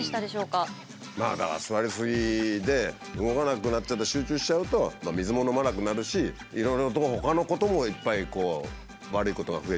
まあだから座りすぎで動かなくなっちゃって集中しちゃうと水も飲まなくなるしいろいろなとこほかのこともいっぱいこう悪いことが増えちゃうから。